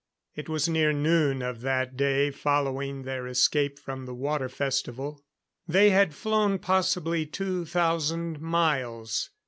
It was near noon of that day following their escape from the Water Festival. They had flown possibly two thousand miles.